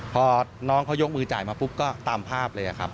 พอน้องเขายกมือจ่ายมาปุ๊บก็ตามภาพเลยครับ